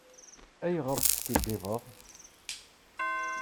Ayɣer teskiddibeḍ?